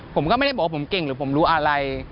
ผมก็ไม่ได้บอกว่าผมเก่งหรือผมรู้อะไร